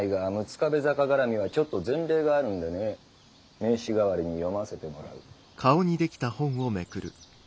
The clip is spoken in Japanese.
壁坂がらみはちょっと前例があるんでね名刺代わりに読ませてもらう。